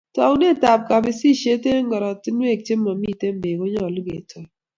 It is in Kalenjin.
Taunet ab kapisishet eng koratinwek ole mami beek ko nyalu ketoy